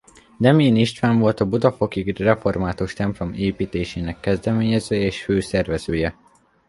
Demjén István volt a budafoki református templom építésének kezdeményezője és fő szervezője.